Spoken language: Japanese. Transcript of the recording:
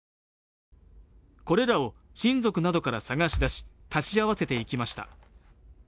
これらを親族などから探し出し足し合わせていきました。